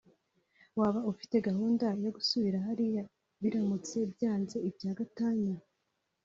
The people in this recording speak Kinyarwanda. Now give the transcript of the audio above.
waba ufite gahunda yo gusubira hariya biramutse byanzeibya gatanya